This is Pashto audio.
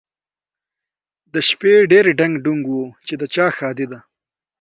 د شپې ډېر ډنګ ډونګ و چې د چا ښادي ده؟